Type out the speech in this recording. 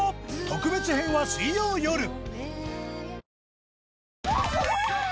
特別編は水曜よる